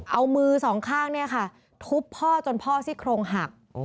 เอามือสองข้างทุบพ่อจนพ่อซิคโครงหัก